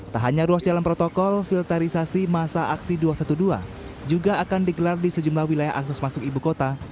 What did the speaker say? tak hanya ruas jalan protokol filterisasi masa aksi dua ratus dua belas juga akan digelar di sejumlah wilayah akses masuk ibu kota